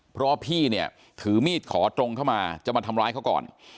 เพราะว่าพี่เนี่ยถือมีดขอตรงเข้ามาจะมาทำร้ายเขาก่อน